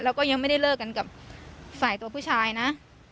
แล้วก็ยังไม่ได้เลิกกันกับฝ่ายตัวผู้ชายนะ